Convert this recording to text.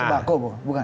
sebak koko bukan